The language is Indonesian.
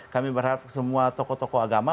kami berharap semua tokoh tokoh agama